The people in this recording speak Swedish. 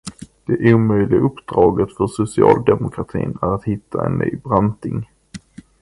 Det omöjliga uppdraget för socialdemokratin är att hitta en ny Branting.